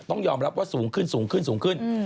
ต้องยอมรับว่าสูงขึ้น